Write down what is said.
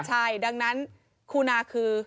ใช่ดังนั้นคูนาคือ